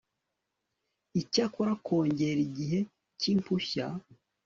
Icyakora kongera igihe cy impushya